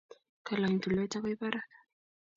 Kalany tulwet akoi barak